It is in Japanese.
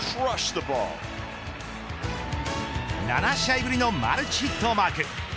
７試合ぶりのマルチヒットをマーク。